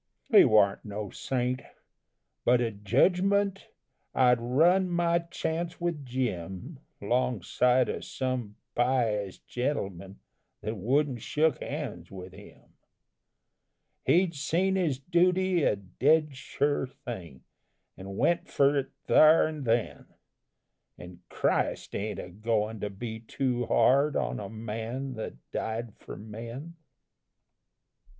He warn't no saint but at judgment I'd run my chance with Jim 'Longside of some pious gentlemen That wouldn't shook hands with him. He'd seen his duty a dead sure thing, And went for it thar and then; And Christ ain't a goin' to be too hard On a man that died for men.